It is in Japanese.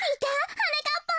はなかっぱん。